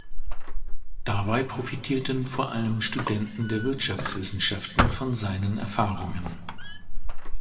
Dabei profitierten vor allem Studenten der Wirtschaftswissenschaften von seinen Erfahrungen.